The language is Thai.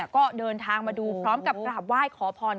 ก็เดินทางมาดูพร้อมกับกราบไหว้ขอพร